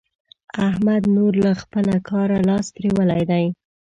احمد نور له خپله کاره لاس پرېولی دی.